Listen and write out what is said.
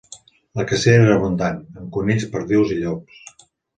La cacera era abundant, amb conills, perdius i llops.